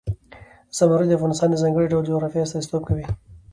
زمرد د افغانستان د ځانګړي ډول جغرافیه استازیتوب کوي.